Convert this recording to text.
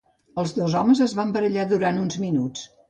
Els dos homes es van barallar durant uns minuts.